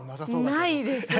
ないですよ。